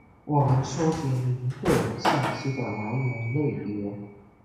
我们收集您个人信息的来源类别；